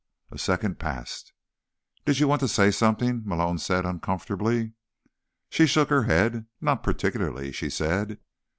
A second passed. "Did you want to say something?" Malone said uncomfortably. She shook her head. "Not particularly," she said.